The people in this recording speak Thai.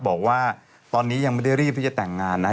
บอกว่าตอนนี้ยังไม่ได้รีบที่จะแต่งงานนะ